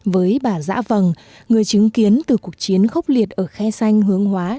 với bà dã vằng người chứng kiến từ cuộc chiến khốc liệt ở khe xanh hướng hóa